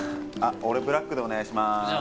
俺ブラックでお願いしますじゃ俺